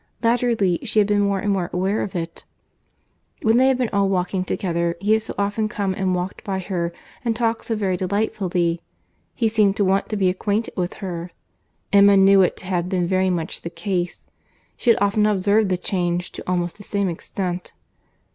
—Latterly she had been more and more aware of it. When they had been all walking together, he had so often come and walked by her, and talked so very delightfully!—He seemed to want to be acquainted with her. Emma knew it to have been very much the case. She had often observed the change, to almost the same extent.